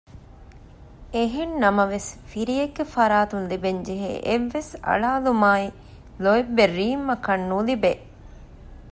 އެހެން ނަމަވެސް ފިރިއެއްގެ ފަރާތުން ލިބެންޖެހޭ އެއްވެސް އަޅާލުމާއި ލޯތްބެއް ރީމްއަކަށް ނުލިބޭ